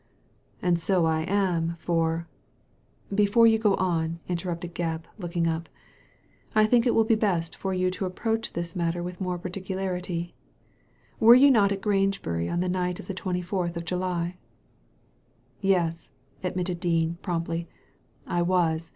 "And so I am, for " "Before you go on," interrupted Gebb, looking up, " I think it will be best for you to approach this matter with more particularity. Were you not at Grangebury on the night of the twenty fourth of July?" Digitized by Google THE CONVICrS DEFENCE 239 Ycs,* admitted Dean, promptly, 1 was.